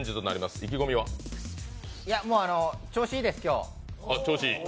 もう、調子いいです、今日。